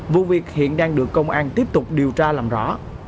vụ việc hiện đang được công an tiếp tục điều tra làm rõ